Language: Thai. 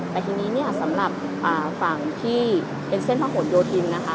แต่ทีนี้เนี่ยสำหรับฝั่งที่เป็นเส้นพระหลโยธินนะคะ